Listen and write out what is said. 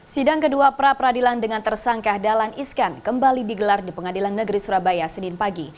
sidang kedua pra peradilan dengan tersangka dalan iskan kembali digelar di pengadilan negeri surabaya senin pagi